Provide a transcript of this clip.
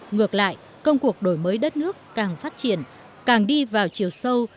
ngược lại công cuộc đổi mới đất nước càng phát triển càng đi vào chiều sâu